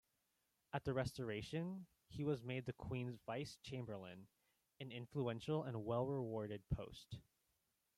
At the Restoration he was made the Queen's Vice-Chamberlain, an influential and well-rewarded post.